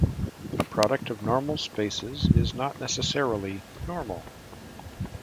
A product of normal spaces is not necessarily normal.